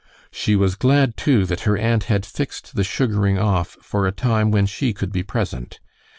She was glad, too, that her aunt had fixed the sugaring off for a time when she could be present.